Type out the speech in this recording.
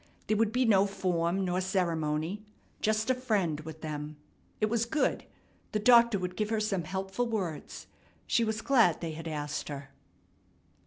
There would be no form nor ceremony. Just a friend with them. It was good. The doctor would give her some helpful words. She was glad they had asked her.